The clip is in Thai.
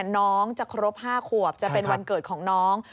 น้องจะครบ๕ขวบจะเป็นวันเกิดของน้อง